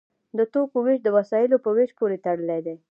د توکو ویش د وسایلو په ویش پورې تړلی دی.